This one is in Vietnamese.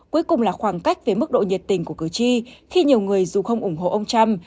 cuối cùng là khoảng cách về mức độ nhiệt tình của cử tri khi nhiều người dù không ủng hộ ông trump